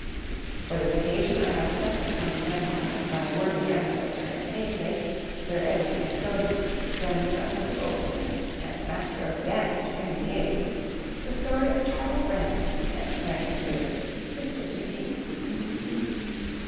For this occasion I have selected from the memoir of my worthy ancestor and namesake, Sir Edwin Caskoden grandson of the goldsmith, and Master of the Dance to Henry VIII the story of Charles Brandon and Mary Tudor, sister to the king.